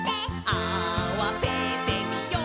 「合わせてみよう」